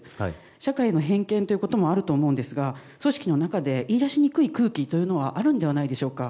社会の偏見ということもあると思うんですが組織の中で言い出しにくい空気があるのではないでしょうか。